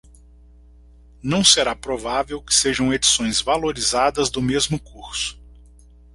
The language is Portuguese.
Não será provável que sejam edições valorizadas do mesmo curso.